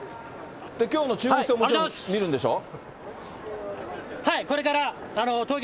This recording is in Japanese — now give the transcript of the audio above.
きょうの中国戦ももちろん見るんでしょう？